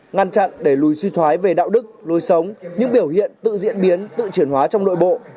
ngăn chặn để lùi suy thoái về đạo đức lùi sống những biểu hiện tự diễn biến tự triển hóa trong đội bộ